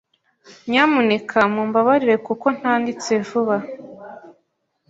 Nyamuneka mumbabarire kuko ntanditse vuba.